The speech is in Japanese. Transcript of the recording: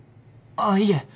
あっいえ。